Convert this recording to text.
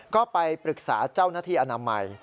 ก็ไปปรึกษาเจ้าหน้าที่อนามัย